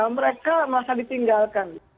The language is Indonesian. mereka malah ditinggalkan